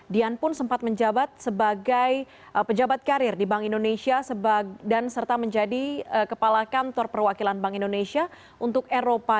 dian pun sempat menjabat sebagai pejabat karir di bank indonesia